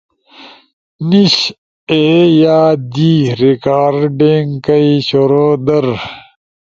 نیِش اے یا دی، ریکارڈنگ کئی شروع در